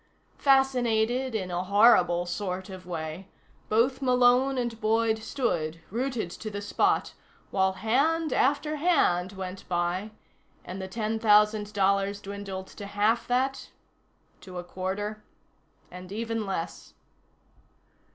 Fascinated in a horrible sort of way, both Malone and Boyd stood, rooted to the spot, while hand after hand went by and the ten thousand dollars dwindled to half that, to a quarter, and even less....